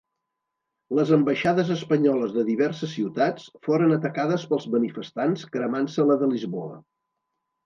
Les ambaixades espanyoles de diverses ciutats foren atacades pels manifestants cremant-se la de Lisboa.